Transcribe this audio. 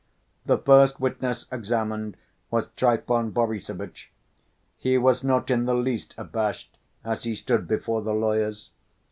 The first witness examined was Trifon Borissovitch. He was not in the least abashed as he stood before the lawyers.